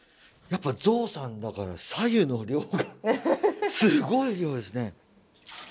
やっぱゾウさんだから白湯の量がすごい量ですね。